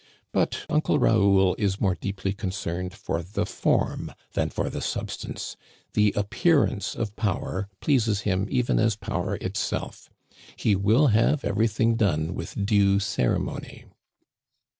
But Uncle Raoul is more deeply concerned for the form than for the substance ; the appearance of power pleases him even as power itself. He will have every thing done with due ceremony.